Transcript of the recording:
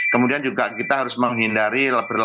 kemudian juga kita harus menghindari berlama lama di luar